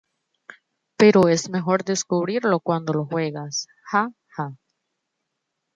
Pero es mejor descubrirlo cuando lo juegas, ¡ja, ja!